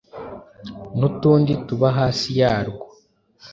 n’utundi tuba hasi ya rwo